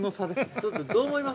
◆ちょっと、どう思います？